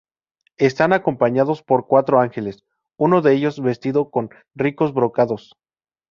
Están acompañados por cuatro ángeles, uno de ellos vestido con ricos brocados.